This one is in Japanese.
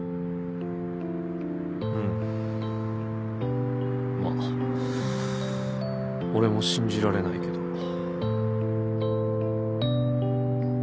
うんまあ俺も信じられないけど。